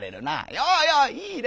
「ようよう！いいね！